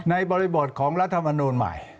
บริบทของรัฐมนูลใหม่